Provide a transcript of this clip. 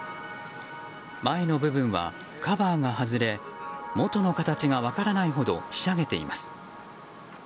前の部分はカバーが外れ元の形が分からないほどひしゃげています。